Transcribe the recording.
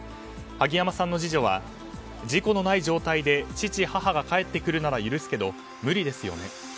萩山さんの次女は事故のない状態で父母が帰ってくるなら許せるけど無理ですよね